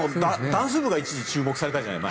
ダンス部が一時注目されたじゃない。